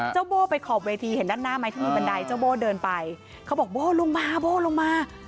โบ้ไปขอบเวทีเห็นด้านหน้าไหมที่มีบันไดเจ้าโบ้เดินไปเขาบอกโบ้ลงมาโบ้ลงมา